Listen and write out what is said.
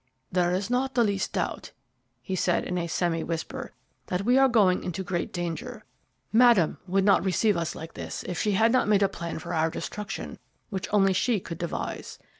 "There is not the least doubt," he said, in a semi whisper, "that we are going into great danger. Madame would not receive us like this if she had not made a plan for our destruction which only she could devise.